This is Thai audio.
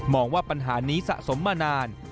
ว่าปัญหานี้สะสมมานาน